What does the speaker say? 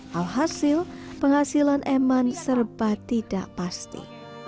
hal hasil penghasilan eman serba tidak pasti